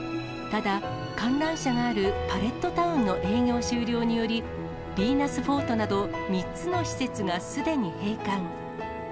ただ、観覧車があるパレットタウンの営業終了により、ヴィーナスフォートなど、３つの施設がすでに閉館。